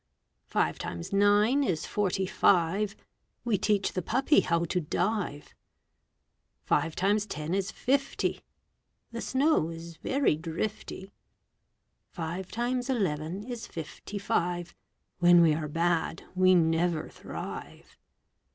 Five times nine is forty five. We teach the puppy how to dive. Five times ten is fifty. The snow is very drifty. Five times eleven is fifty five, When we are bad, we never thrive.